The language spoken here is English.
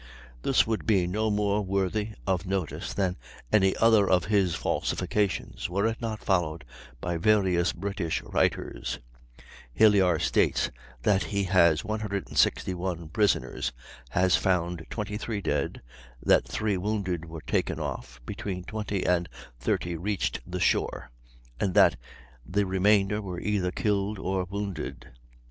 This would be no more worthy of notice than any other of his falsifications, were it not followed by various British writers. Hilyar states that he has 161 prisoners, has found 23 dead, that 3 wounded were taken off, between 20 and 30 reached the shore, and that the "remainder are either killed or wounded."